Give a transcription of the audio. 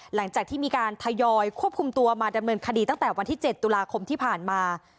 หลังจากที่มีการทยอยควบคุมตัวมาดำเนินคดีตั้งแต่วันที่๗ตุลาคมที่ผ่านมา